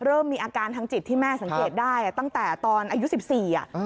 เริ่มมีอาการทางจิตที่แม่สังเกตได้ตั้งแต่ตอนอายุ๑๔อ่ะ